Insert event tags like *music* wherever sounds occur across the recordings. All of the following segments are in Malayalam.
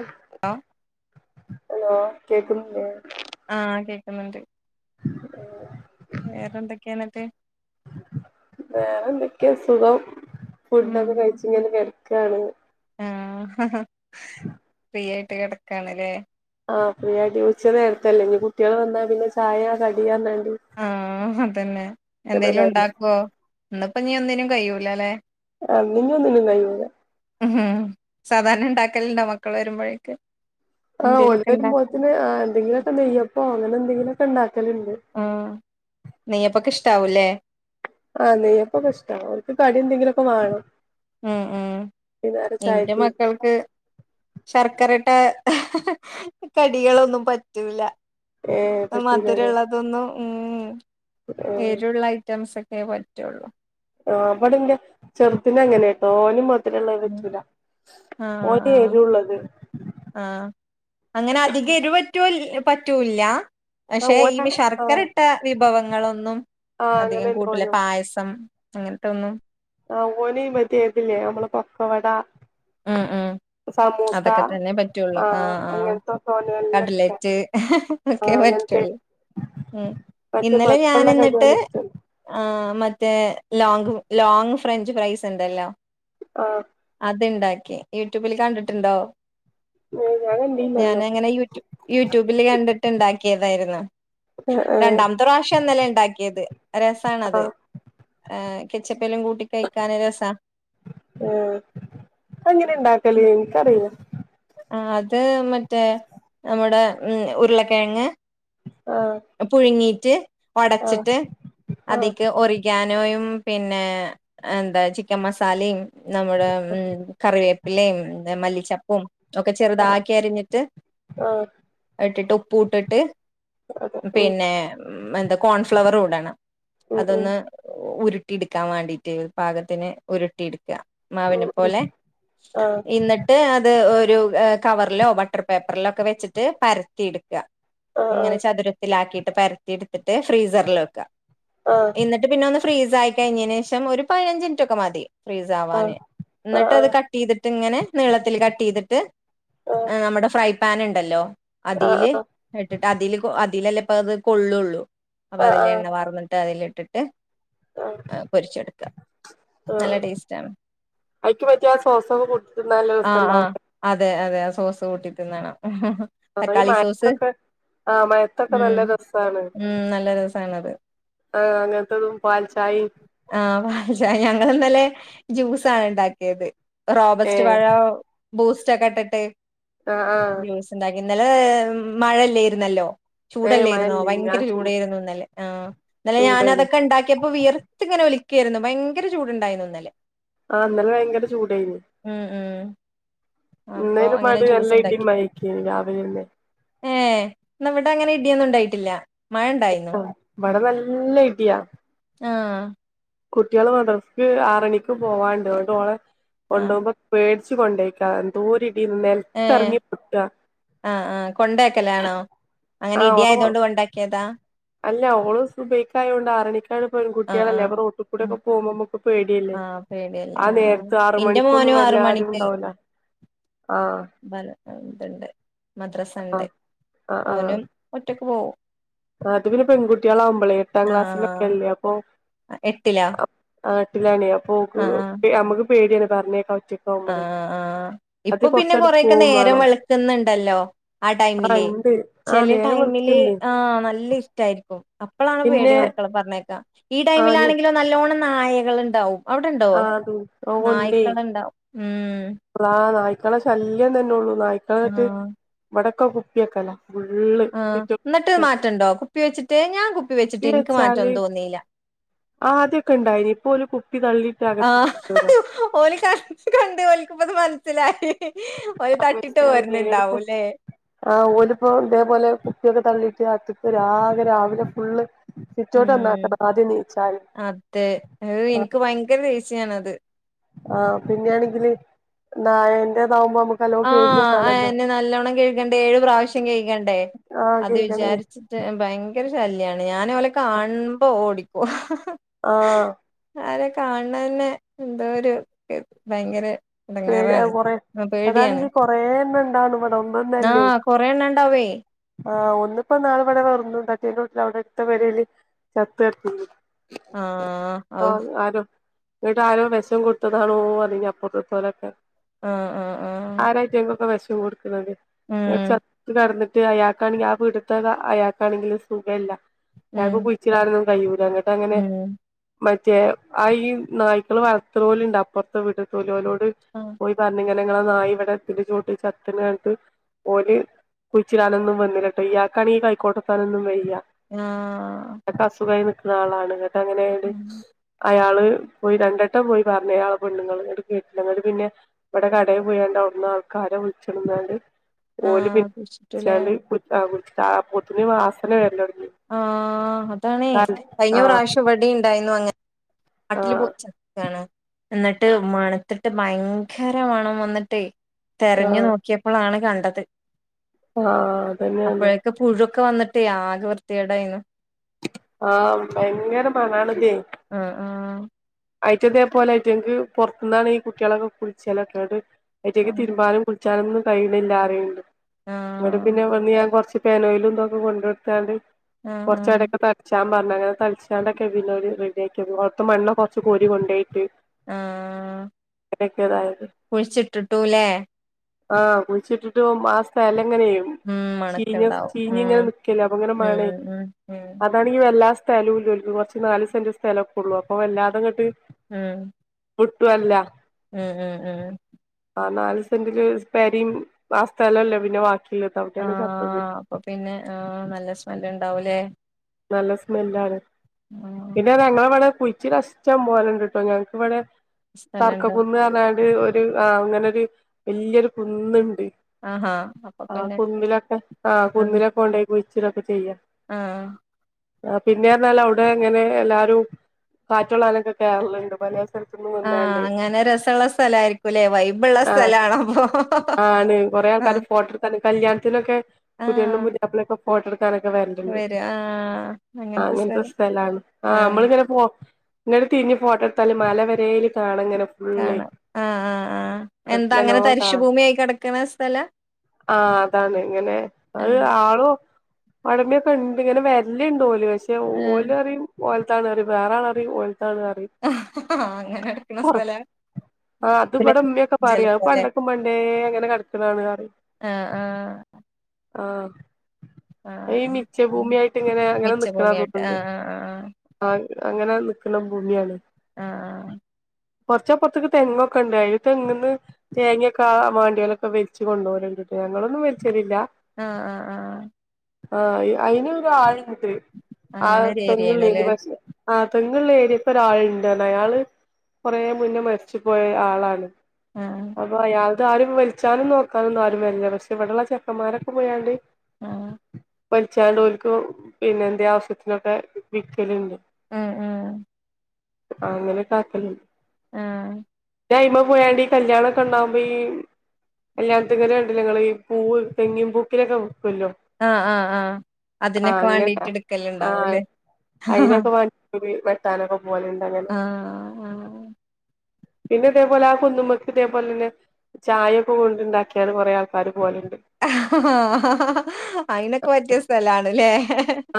ആ ഹലോ കേക്കുന്നില്ലേ ആഹ് കേക്കുന്നുണ്ട് വേറെന്തൊക്കെയാ എന്നിട്ട് ക്കയാ സുഖം ഫുഡ് ഒക്കെ കഴിച്ചിങ്ങനെ കെടക് ക്കാണ് ആഹ് ഫ്രീ ആയിട്ട് കിടക്കാണ്ല്ലേ ആ ഫ്രീയായിട്ട് ഉച്ച നേരത്തെല്ലേ ഇനി കുട്ടികൾ വന്നാ പിന്നെ ചായ കടിയാന്ന് ആഹ് അതന്നെ എന്തെലും കഴിയും ഉണ്ടാക്കുവോ ഇന്ന്പ്പോ നീ ഒന്നിനും കയ്യൂല്ല ല്ലേ ആഹ് ഇന്നെനി ഒന്നിനും കയ്യൂല ഉം സാധാരണ ഉണ്ടാക്കലുണ്ടോ മക്കൾ വരുമ്പോഴേക്ക് ആ ഓല് എന്തേലൊക്കെ ഇണ്ടാ വരുമ്പോത്തിന് എന്തെങ്കിലൊക്കെ നെയ്യപ്പോ അങ്ങനെ എന്തെങ്കിലുമൊക് ക്കെ ഇണ്ടാക് ആഹ് നെയ്യപ്പൊക്കെ ഇഷ്ടാവൂലേ ആ നെയ്യപ്പൊക്കെ ഇഷ്ടാ അവർക്ക് കടി എന്തെങ്കിലുമൊക്കെ വേണം ഉം ഉം വൈന്നേരം ഇന്റെ ചായക്ക് മക്കൾക്ക് ശർക്കര ഇട് ട്ട കടികളൊന്നും പറ്റൂല ഏഹ് ന്നെ പറ്റൂലല്ലേ മധുരമുള്ളതൊന്നും ഉം ഏഹ് എരിവുള്ള ഐറ്റംസ് ഒക്കെ ഏ പറ്റൂള്ളൂ ആ ഇവിടെന്റെ ചെറുതിന് അങ്ങനെ ട്ടോ ഓന് മധു ആ ആ എരുള്ളത് ആഹ് ആ അങ്ങനെ അധികം എരിവ് പറ്റുല്ലി പറ്റൂല്ല പക്ഷെ ഈ ഓന് ആഹ് ശർക്കര ഇട്ട വിഭവങ്ങളൊന്നും ആഹ് അധികം അങ്ങനെന്നെ കൂട്ടൂല പായസം അങ്ങനെത്തെ ഒന്നും ആ ഓന മതിയതില്ലേ നമ്മള് പൊക്കവട ഉം ഉം അതൊക്കെ തന്നെ പറ്റുള്ളൂ ആ ആഹ് ആ അങ്ങനത്തൊക്കെ ഓന് നല്ല ഇഷ്ടാ കടലറ്റ് ഒക്കെ ആഹ് അങ്ങനത്തെ പറ്റുള്ളൂ ഉം മറ്റേ ഇന്നലെ ഞാൻ മധുരള്ള കടി എന്നിട്ട് ഓന് ഇഷ്ടല്ല ആ മറ്റേ ത്തെ ലോങ് ലോങ് ഫ്രഞ്ച് ഫ്രൈസ് ഉണ്ടല്ലോ ആ ഇതുണ്ടാക്കി യൂട്യൂബിൽ കണ്ടിട്ടുണ്ടോ ഏഹ് ഞാൻ ഞാൻ കണ്ടീല്ലന്ന് അങ്ങനെ യു യൂട്യൂബില് കണ്ടിട്ടുണ്ടാക്കിയിരുന്നു അതായിരുന്നു ഏഹ് ഏഹ് രണ്ടാമത്തെ പ്രാവശ്യം ആണ് ഇന്നലെ ഉണ്ടാക്കിയത് രസാണത് ആഹ് ഏ കച്ചപ്പിലും കൂട്ടി കഴിക്കാൻ രസാ ആ അങ്ങനെ ഉണ്ടാക്കലേ എനിക്കറയില്ല ആ അത് മ മറ്റേ നമ്മുടെ ഉം ഉരുളക്കിഴങ്ങ് ആഹ് പുഴുങ്ങി ട്ട് ആഹ് ഒടച്ചിട്ട് ആഹ് അതിക്ക് ഒറിക്കാൻ ന്നോയും പിന്നെ ചിക്കൻ മസാലയും നമ്മുടെ ഉം കറിവേപ്പ് വേപ്പിലയും മല്ലി ചപ്പും ഒക്കെ ആഹ് ചെറുതാക്കി അരിഞ്ഞിട്ട് ആഹ് ഇട്ടിട്ട് പൂട്ടിട്ട് അതെ ഉം പിന്നെ എന്താ കോൺഫ്ലവർ ഓടാണ് ഉം ഉം അതൊന്ന് ഉരു ഒട്ടി എടുക്കാൻ വേണ്ടിയിട്ട് പാകത്തിന് ഉരുട്ടി എടു ഉം മാവിനെ ഉം പോലെ ആഹ് എന്നിട്ട് അത് ഒരു കവറിലോ വട്ടർ പേപ്പറിലോ ഒക്കെ വെച്ചിട്ട് പരത്തിെടുക്കുക എങ്ങനെ ആഹ് തിാക്കിയിട്ട് പരത്തി എടുത്തിട്ട് ഫ്രീസറിൽ വെക്കുക ആഹ് എന്നിട്ട് പിന്നെ ഒന്ന് ഫ്രീസ ആയി കഴിഞ്ഞതിനന് ശേഷം ഒരു പതിനഞ്ച്നിറ്റൊക്കെ മതി ഫ്രീസ് ആഹ് ആവാന് ആഹ് ആഹ് ആഹ് എന്നിട്ട് അത് കട്ട് ചെയ്തിട്ട് ഇങ്ങനെ നീളത്തിൽ കട്ട് ചെയ്തിട്ട് ആഹ് ആഹ് നമ്മുടെ ഫ്രൈ പൻ ഉണ്ടല്ലോ ആഹ് അതില് ആഹ് ഇട്ടിട്ട് അതില് അതിലല്ലേ ഇപ്പ അത് കൊള്ളുള്ളൂ അപ്പൊ അതില്ല എണ്ണ വർന്നട്ട് അതി ഇട്ടട്ട് ആ ആ നല്ല ടേസ്റ്റ് ആണ് അയ്ക്ക് പറ്റിയ സോസ് കൂട്ടി തിന്ന നല്ല ആ ആ രസാവു അതെ അതെ ആ സോസ് കൂട്ടി തിന്നണം ഇഹ് ഇഹ് തക്കാളി സോസ് ആഹ മയത്തൊക്കെ ഉം നല്ല രസാണ് ഉം നല്ല രസാണത് ആ അങ്ങനത്തെതും പാൽച്ചായും ആഹ് പാൽ ചായ ഞങ്ങ ഇന്നല്ലെ ജ്യൂസാണ് ഉണ്ടാക്കിയത് റോബർസ്റ്റ് ഏഹ് വാഴ ബൂസ്റ്റ കട്ടട്ട് ആഹ ആഹ് ഇന്നലെ മഴയല്ലേ ഇരുന്നല്ലോ ഏഹ് ചൂടല്ലായിരുന്നോ മഴല്ലേനി ആ ഭയങ്കര ചൂ ചൂടായിരുന്നു ഇന്നല്ലെ ആഹ ഇന്നലെ ഞാന ചൂടേനി അതൊക്കെ ഉണ്ടാക്കിയപ്പോ വിയർ വിളിക്കുകയായിരുന്നു ഭയങ്കര ചൂടുണ്ടായിരുന്നു ഇന്നലെ ആ ഇന്നലെ ഭയങ്കര ചൂടായിരുന്നു ഉം ഉം അപ്പൊ ഇന്നേന അങ്ങനെ മാി ജ്യൂസ് എല്ലാം ഇടീമ്മയക്കി രാവിലെ ഒന്നെ ഏഹ ഇവിടെ അങ്ങനെ ഇടിയൊന്നും ഉണ്ടായിട്ടില്ല മഴ ഉണ്ടായിരുന്നോ ആഹ് ഇവടെ നല്ല ഇടിയ ആഹ കുട്ടികള് മാഡ്രസ്സ് ക്ക് ആറു മണിക്ക് പോവാണ്ട് ന്നട്ട് ഓളെ ആഹ് കൊണ്ടൊക്കുമ്പോ പേടി ച് കൊണ്ടോയ്ക്ക എന്ധോരു നെൽത്തറങ്ങി പൊട്ടാ ആഹ ആ കൊണ്ടയാക്കലാണോ അങ്ങനെ ആഹ് ഓളെ ഇടിയയതൊണ്ട് കൊണ്ടാക്കിയതാ അല്ല ഓളു സുബ്ഹിക്കയോണ്ട് ആറണിക്ക അ പെൺകുട്ടികളല്ലേ ക്കൂടെക്കെ പോക ആഹ പേടിയല്ലേ ആഹ ആറ് ഇന്റെ മണിക്കൊന്നും മോനും വല്ല ആറ് ആരും മണിക്ക് ഉണ്ടാവൂല ആഹ് ഇതുണ്ട് മദ് മദ്രസണ്ട് ആഹ് ആഹ് ഓനും ആഹ് ഒറ്റക്ക് പോവും അത് പിന്നെ പെൺകുട്ടികളാവുമ്പളെ എട്ടാം ആഹ് ക്ലാസ്സിലൊക്കെല്ലേ അപ്പൊ എട്ടിലാ എട്ടിലെനി അപ്പൊ നമ്മക്ക് പേടിയാണ് പറഞ്ഞേക്ക ആ ആ ഇപ്പൊ പിന്നെ കൊറച്ചട് കൊറെക്കെ പോവും നേരം വേണം വെളുക്കുന്നുണ്ടല്ലോ ആ ആഹ് ടൈമില് ഇണ്ട് ആഹ് ചെല നേരം ടൈമില് വെളുക്ക്ണ്ട് ആ നല്ല ഇരി രിട്ടായിരിക്കും അപ്പളാണ് പേടി പിന്നെ മക്കള പറഞ്ഞയാക്കാൻ ഈ ആഹ് ടൈമിലാണെങ്കിൽ നല്ലോണം നായകൾ ഉണ്ടാവും അവിടെണ്ടോ ആഹ് അത് ഓഹ് ഉണ്ടേ നായ്ക്കളുണ്ടാവും ഉം അള്ളാ നായിക്ക ക്കളെ ശല്യം തന്നെ ഉള്ളൂ നയിക്കളിങ്ങട്ട് ഇവിടെ ക്കെ കുപ്പി വെക്കല ആഹ എന്നിട്ട് മാറ്റണ്ടോ കുപ്പി വെച്ചിട്ട് ഞാൻ കുപ്പി വെച്ചിട്ട് എനിക്ക് മാറ്റന്ന് തോന്നില്ല ആദ്യൊക്കെ ഇണ്ടായിനി ഇപ്പോ ഓല് കുപ്പി തള്ളിയിട്ട് അകത്ത് കൊണ്ടോവാ ആഹ ഓലിക്ക കണ്ട് ഓലിക്കിപ്പതു മന സിലായി ആ ഓരുപ്പ ഇതേപോലെ കുപ്പിയൊക്കെ തള്ളിയിട്ട് അത്ക്ക് രാവിലെ രാവിലെ ഫുള്ള് സിറ്റൗട്ട് ഉം നന്നാക്കണം ആദ്യം നീച്ചാല് അതെ എനിക്ക് ഭയങ്കര ദേഷ്യയാണത് ആ പിന്നെയാണെങ്കില് നായെന്റെ ആ ആ എന്നെ നല്ലോണ്ണം കഴിക്കണ്ടേ ഏഴ് പ്രാവശ്യം കഴിക്കണ്ടേ ആഹ് അത് കേക്കണേ വിചാരിച്ചിട്ട് ഭയക്ക ഭയങ്കര ശല്യാണ് ഞാൻ ഓലെ കാണ്പോ ഓടി ഓ ആ ആരെ കാണണ തന്നെ എന്തോ ഒരു ഭയങ്കര പേടി ഇടങ്ങാറാണ് കൊറെ അതാണെങ്കി കുറേ ണ്ണം ഉണ്ടവു ആകൊറെ എണ്ണം ഉണ്ടാവേ ആ ഒന്നിപ്പോ നാളിടെ വെറുക്കും തട്ടീൻ അവിടെ അടുത്ത പെരയില് ചത്ത് കിടക്കുന്നു ആ ഔ എന്നിട്ട് ആരോ വിശം കൊടുത്തതാണോ അല്ലെങ്കിൽ അപ്പ തൊരപ്പൻ ആ ആ ആ *unintelligible* ണത് ഇങ്ങനെ ചത്ത് കടന്നിട്ട് അയാൾക്കാണെങ്കിൽ ആ വീടുത്തെ അയാൾക്കാണെക്കി സുഖവില്ല ഉം യാക്ക് കുഴിച്ചിടാനൊന്നും കഴിയൂലങ്ങട്ട് അങ്ങനെ ഉം മ പക്ഷേ ആ ഈ നായ്ക്കൾ വളർത്തണപോലുണ്ട് അപ്പറത്തെ വീട്ട് വോ ലോ ലോ ല് ആഹ് പോയി പറഞ്ഞിങ്ങ ങ്ങളനായ് ഇവിടെതിന്റെ ചോട്ട് ചത്ത്ങ്ങാണ്ട് ഓര് കുഴിച്ചിടാനൊന്നും വന്നില്ല കേട്ടോ ഈയാക്കാണി കൈക്കോട്ടത്താനൊന്നും വയ്യ ആ ഇയാൾക്ക് അസുഖായി ആളാണ് അങ്ങനെആയോണ്ട് അയാള് പോയി രണ്ടെട്ടം പോയി പറഞ്ഞയാള് പെണ്ണ്ങ്ങള് എടുക്ക ങ്ങ പിന്നെ ഇവിടെ കടയിൽ പോയോ ണ്ട് അവിടുന്ന് ആൾക്കാരെ വിളിച്ചിടന്നാണ്ട് ഓല് പി ആഹ് കുഴിച്ചിട്ടുല്ലേ *unintelligible* *unintelligible* വാസന വരാൻ ആ അതാണേ കഴിഞ്ഞ ആഹ് പ്രാവശ്യം ഇവിടേം ഉണ്ടായിരുന്നു അങ്ങനെ *unintelligible* എന്നിട്ട് മണത്തി ട്ട് ഭയങ്കര മണം വന്നിട്ടേ തെരഞ്ഞു നോക്കിയപ്പോൾ ആണ് ക അത് ആ തന്നെയാന്നെ ഒക്കെ വന്നിട്ട് ആകെ വൃ ത്തിയേടായിന്ന് ആഹ ഭയങ്കര മണാണ് ആ ആ അയിറ്റ അതേപോലെ ആയിറ്റങ്ക്ക് പൊറത്തുന്നാണ് ഈ കുട്ടികളൊക്കെ കുളിച്ചാലൊക്കെന്നട്ട് അയ്റ്റെക്ക് ആഹ് തിരുമ്പാനും കു കുൾച്ചാനൊന്നും കൈയിണില്ലാറിണ്ട് ഇങ്ങട്ട് പിന്നെ ആഹ് ഞാൻ കൊർച്ച് പെനോയിലും ഇന്തൊക്കെ കൊണ്ടൊടുത്താണ്ട് ആഹ് കൊർച്ച ആഹ് എടക്കെ തളിച്ചാ അങ്ങനൊക്കെ തൾച്ചാണ്ടൊക്കെ പിന്നേ ഓല് റെഡി ആക്കിയത് കൊ മണ്ണ് ച്ച് കോരി കൊണ്ടേയിട്ട് ആഹ ക്കതായത് ആഹ കുഴിച്ചിട്ടിട്ട് ഒരുമാസ എല അനെയ ഉം ചീഞ്ഞ് മണക്കുണ്ടാവും ഇങ്ങനെ ഉം നിക്കല്ലേ അപ്പ ഇങ്ങനെ മണേ ഉം ഉം ഉം അതാണെങ്കി വല്ലാ സ്ഥലുല്ല കൊർച് നാല് സെന്റ് സ്ഥലൊക്കെ ഉള്ളൂ അപ്പൊ എല്ലാ ത ങ്ങെട്ട് ഉം ഒട്ടും അല്ല ഉം ഉം ഉം ആ നാല് സെന്റില് പെരിം ആ സ്ഥലല്ലേ പിന്നൊ ബാക്കി ആ അപ്പൊ പിന്നെ ആ നല്ല സ്മെല് ഉണ്ടാവൂലേ നല്ല സ്മെല്ലാണ് ആഹ് പിന്നെ ങ്ങളവ്ടെ കുയിച്ചിടാൻ ഇസ്ട്ടം പോലെണ്ട് ട്ടൊ ഞങ്ങൾക്കവിടെ സ്ഥലണ്ട് തർക്കക്കുന്ന് ന്ന് പറഞ്ഞാണ്ട് ആ അങ്ങനെ ഒരു വലിയൊരു കുന്നുണ്ട് ആഹാ അപ്പൊ ആ പിന്നെ കുന്നിലൊക്കെ ആ കുന്നിലൊക്കെ കൊണ്ടോയി കുയി ച്ചിടൊക്കെ ചെയ്യുക ആഹ ആ പിന്നേർഞ്ഞാല് അവിടെ അങ്ങനെ എല്ലാരും കാറ്റൊള്ളാനൊക്കെ കേറല്ണ്ട് പല ആ അങ്ങനെ രസയുള്ള സ്ഥലയിരിക്കൂല്ലേ വൈബുള്ള ആഹ് സ്ഥലയാണപ്പോ ആണ് കൊറേ ആ ആൾക്കാര് ഫോട്ടോ എടുക്കാന് ആ വോട്ട് എടുപ്പ് എടുക്കാനൊക്കെ വരണ്ടുണ്ട് ആ അങ്ങനത്തെ സ്ഥലാണ് ആ ആഹ് നമ്മള് ഇങ്ങനെ തിരിഞ്ഞി ഫോട്ടോ എടുത്ത എടുത്താൽ മലവരയിൽ കാണാം ഇങ്ങനെ ഫുൾ കാണാം ആഹ് ആഹ് ആഹ് എന്താ അങ്ങനെ തരിശു ഉള്ളിൽലോട്ടാണ് ഭൂമിയായി കിടക്കണ സ്ഥലാ ആഹ അതാണ് ഇങ്ങനെ അ ആഹ് ആളോ ഉടമിയൊക്കെ ഉണ്ട് ഇങ്ങനെ വരവ് എല്ലാം ഇണ്ട് ഓലും പക്ഷെ ഓൽ ആഹ് അറിയും ഓലത്തണ് അറിയ വേറെ ആൾ അറിയാ അങ്ങനെ കെടക്കണ സ്ഥലാ ആ ഇത്ബടെ ഉമ്മയൊക്കെ പറയും അഅ് ജലപോലെ പണ്ടക്കും പണ്ടേങ്ങനെ കെട *unintelligible* ആ ആ ആ ഈ മിച്ച ഭൂമിയായിട്ട് ഇങ്ങനെ ഇങ്ങനെ നിക്കണ മിച്ചഭൂമിയായിട്ട് ആഹ് *unintelligible* ആഹ് അങ്ങനെ നിക്ക്ണ ഭൂമിയാണ് ആ ആ കൊർച്ച് അപ്പർത്ത്ക്ക് തെങ്ങ് ഒക്കെ ഇണ്ട് അയില് തെങ്ങ്ന്ന് തേങ്ങയൊക്കെ ആ വേണ്ടിയോലൊക്കെ വലിച്ച് കൊണ്ടോവല്ണ്ട് ട്ടോ ഞങ്ങളൊന്നും വലിച്ചലില്ല ആ ആ ആ ആ അ അയിന് ആ ആ അങ്ങനെ ഒരു തെങ്ങ്ള്ളയ്ന് ഏരിയയാണല്ലേ പക്ഷേ അ തെങ്ങ് ഇള്ള ഏരിയത്തെ ഒരാള്ണ്ട് അയാള് കൊറെ മുന്നേ മരിച്ചു പോയ ആളാണ് ആഹ് അപ്പോ അയാൾ ഇതാരും വലിച്ചാനും നോക്കാനൊന്നും ആരും വരില്ല പക്ഷെ ഇവിടുള്ള ചെക്കന്മാരൊക്കെ പോയാണ്ട് ആ വലിച്ചാണ്ട് ഓൽക്ക് *unintelligible* പിന്നെന്തേ ആവശ്യത്തിനൊക്കെ വിക്കല്ണ്ട് ഉം ഉം അങ്ങനേക്കെ ആക്കല്ണ്ട് ആഹ് ഞാ അയ്മെ പോയാണ്ട് ഈ കല്യാണൊക്കെ ഇണ്ടാവുമ്പോ ഈ കല്യാണത്ത്ങ്ങല് കണ്ട്ലേ ഇങ്ങള് പൂവ് തെങ്ങിൻപൂക്കിലൊക്കെ ആ ആ ആ അത്‌ ആ അങ്ങന ആ അയിനൊക്കെ വാ *unintelligible* വെട്ടാനൊക്കെ പോവല്ണ്ട് അങ്ങനെ ആ ആ പിന്നെ ഇതേപോലെ ആ കുന്നുമ്മക്ക് ഇതേപോലെന്നെ ചായൊക്കെ കൊണ്ടുണ്ടാക്കിയാണ് കൊറെ ആൾക്കാര് പോവല് അയിനൊക്കെ പറ്റിയ സ്ഥലാണ് ലേ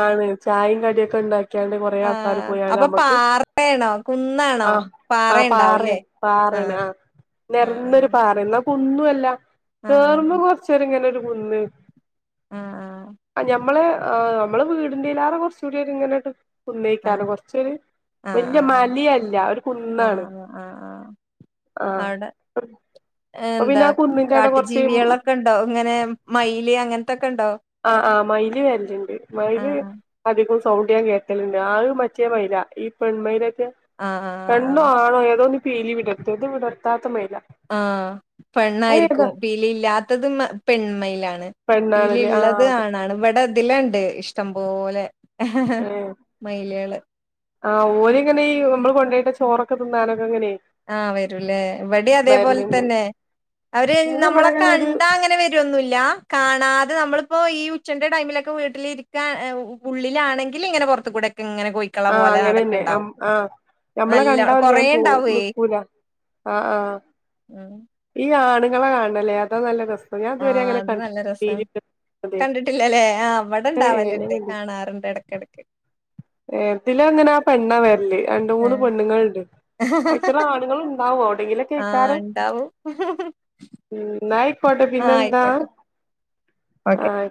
ആണ് ചായയും കടിയൊക്കെ ഉണ്ടാക്കിയാണ്ട് കൊറെ ആൾക്കാര് ആഹ് പോയാല് അപ്പൊ നമ്മക്ക് പാറയാണോ കുന്നാണോ ആ ആ പാറേ പാറയുണ്ടാവൂല്ലേ പാറേണ് ആഹ് ആ നെരന്നൊരു ആഹ് പാറേ ഒന്നും അല്ല ആഹ് കേറുമ്പോ കൊച്ചേരങ്ങനൊരു കുന്ന് ആഹ് ആഹ് മ്മള് ആ നമ്മള് വീടിന്റെയ്ലാരെ കുറച്ച്കൂടി ഒര് ഇങ്ങനെ *unintelligible* കുന്നേക്കാ ആഹ് *unintelligible* കൊറച്ച് ഒരു ആഹ് വല്ല്യ ആഹ് മലിയല്ല, ഒരു ആഹ് കുന്നാണ്. ആഹ് ആഹ് ആഹ് ആഹ് ആഹ് ആഹ് അവിടെ അപ്പൊ എന്താ പിന്നെ ആ കുന്നിന്റെ അവിടെ കുറച്ച് കാട്ടുജീവികളൊക്കെ ഉണ്ടോ? ഇങ്ങനെ മയില് അങ്ങനെ ആ ആ മയില് വരുന്നുണ്ട് മയില് ആഹ് അതിബു സൗഡിയം കേക്കലുണ്ട്. ആ ഒരു മറ്റേ മൈന ഈ പെൺമൈനെ ആഹ് ആഹ് ആഹ് ആഹ് പെണ്ണോ? ആണോ? ഏതൊരു പീലി വിടർത്തി. ഇത് വിടർത്താത്ത മൈന ആ പെണ്ണായിരിക്കും, പിലീ ഇല്ലാത്തത് പെണ്ണ് മൈലാണ് പെണ്ണാണ്ല്ലേ ആഹ് പീലിയുള്ളത് അത് ആണാണ്. ഇവിടതിൽ ണ്ട് ഇഷ്ടം പോലെ ഹഹഹ മൈലാള് ആ ഓരിങ്ങനെ ഈ നമ്മള് കൊണ്ടോയിട്ട് ചോറൊക്കെ തിന്നാനൊക്കെ അങ്ങനെ ആഹ് വരൂല്ലേ. ഇവിടെ അതേപോലെ വരല്ണ്ട് തന്നെ. അവര് പിന്നെ നമ്മളെ ഇവിടെങ്ങനെ ഒരു കണ്ടാ, അങ്ങനെ വരുവൊന്നുമില്ല കാണാതെ ഇത് നമ്മളിപ്പോ ഈ ഉച്ചന്റെ ടൈമിലൊക്കെ വീട്ടിലിരിക്കാൻ ഉള്ളിലാണെങ്കിൽ ഇങ്ങനെ പുറത്തുകൂടെ ആഹ് അങ്ങനെ തന്നെ. ആ ഞമ്മളെ കണ്ട നല്ലോണം കൊറേ *unintelligible* ഒരു ഇണ്ടാവേ നക്കൂല ആഹ് ആഹ് ആഹ് ഈ ആണുങ്ങളെ കാണണവല്ലേ, അതാ നല്ല രസം ഞാൻ ഇതുവരെ ആഹ് അങ്ങനെ അത് കണ്ട് നല്ല രസമാണ്. അതെ കണ്ടിട്ടില്ലല്ലേ അവിടെ ഏഹ് ഇണ്ടാവലുണ്ട്, കാണാറുണ്ട് ഇടക്കിടക്ക് ഏതില് അങ്ങനെ ആ പെണ്ണ വരില്ലേ? രണ്ട് മൂന്ന് ആഹ് പെണ്ണുങ്ങളുണ്ട് അച്ചതാ ആണുങ്ങളുണ്ടാവും. എവിടെങ്കിലൊ ആഹ് കേൾക്കാരോ ഇണ്ടാവും എന്നായിക്കോട്ടെ ആഹ് പിന്നെന്താ? ആയിക്കോട്ടെ ഓക്കെ. ആഹ്